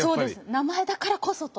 名前だからこそと。